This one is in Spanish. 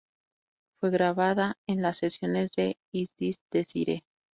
Fue grabada en las sesiones de "Is This Desire?